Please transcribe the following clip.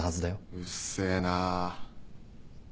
うっせえなぁ。